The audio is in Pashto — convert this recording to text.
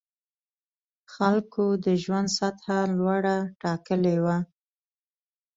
خلکو د ژوند سطح لوړه ټاکلې وه.